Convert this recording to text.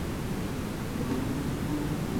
হোমাগ্নিতে তিনি স্বীয় দেহ ভস্মীভূত করিয়াছেন।